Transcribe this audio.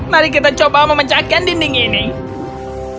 mari kita coba memecahkan dindingnya